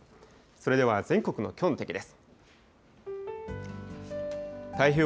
それでは全国のきょうの天気です。